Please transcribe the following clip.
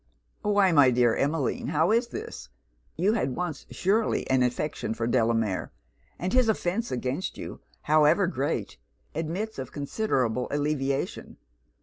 'Why, my dear Emmeline, how is this? You had once, surely, an affection for Delamere; and his offence against you, however great, admits of considerable alleviation.